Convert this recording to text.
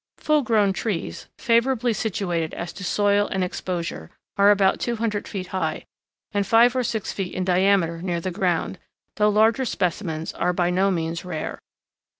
Full grown trees, favorably situated as to soil and exposure, are about 200 feet high, and five or six feet in diameter near the ground, though larger specimens are by no means rare.